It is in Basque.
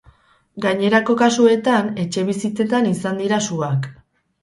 Gainerako kasuetan, etxebizitzetan izan dira suak.